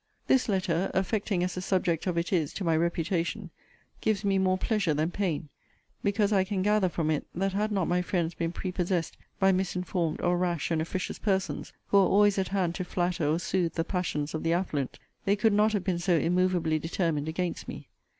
This letter, affecting as the subject of it is to my reputation, gives me more pleasure than pain, because I can gather from it, that had not my friends been prepossessed by misinformed or rash and officious persons, who are always at hand to flatter or soothe the passions of the affluent, they could not have been so immovably determined against me.